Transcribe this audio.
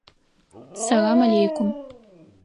Сэлам аллейкум!